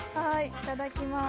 いただきます。